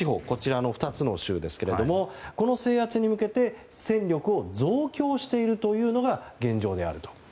こちらの２つの州ですけれどもこの制圧に向けて戦力を増強しているというのが現状であると。